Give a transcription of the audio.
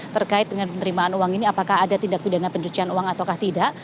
terkait dengan penerimaan uang ini apakah ada tindak pidana pencucian uang ataukah tidak